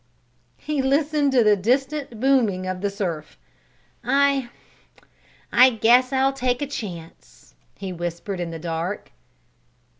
He listened to the distant booming of the surf. "I I guess I'll take a chance," he whispered in the dark.